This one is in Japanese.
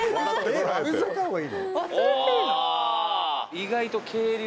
意外と。